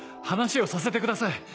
話をさせてください。